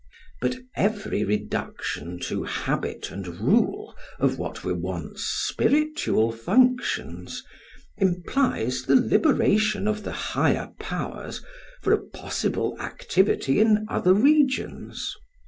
But every reduction to habit and rule of what were once spiritual functions, implies the liberation of the higher powers for a possible activity in other regions.